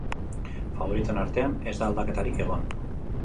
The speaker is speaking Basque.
Faboritoen artean ez da aldaketarik egon.